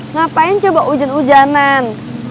ngapain coba hujan hujanan